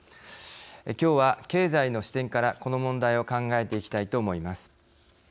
今日は、経済の視点からこの問題を考えていきたいと思います。